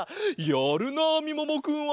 やるなみももくんは。